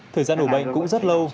thời gian đổ bệnh cũng rất lâu